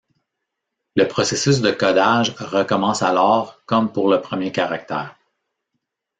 Le processus de codage recommence alors comme pour le premier caractère.